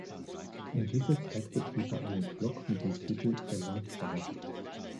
In dieser Zeit betrieb er einen Blog mit dem Titel "Der Landpfarrer".